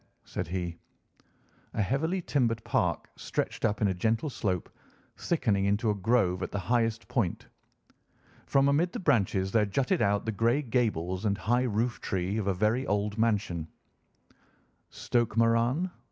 said he. A heavily timbered park stretched up in a gentle slope, thickening into a grove at the highest point. From amid the branches there jutted out the grey gables and high roof tree of a very old mansion. "Stoke Moran?"